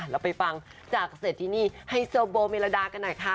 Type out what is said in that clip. เราไปฟังจากเศรษฐินีไฮโซโบเมลาดากันหน่อยค่ะ